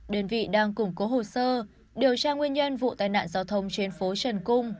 đơn vị đang củng cố hồ sơ điều tra nguyên nhân vụ tai nạn giao thông trên phố trần cung